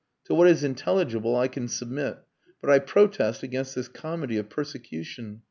To what is intelligible I can submit. But I protest against this comedy of persecution.